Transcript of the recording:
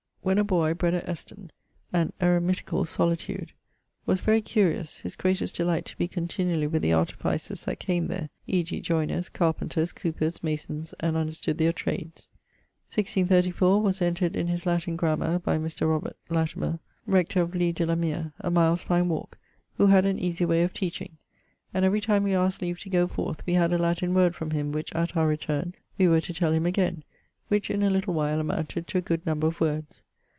When a boy, bred at Eston, an eremiticall solitude. Was very curious; his greatest delight to be continually with the artificers that came there (e.g. joyners, carpenters, coupers, masons), and understood their trades. 1634, was entred in his Latin grammar by Mr. R Latimer[R], rector of Leigh de la mere, a mile's fine walke, who had an easie way of teaching: and every time we askt leave to goe forth, we had a Latin word from him which at our returne we were to tell him again which in a little while amounted to a good number of words.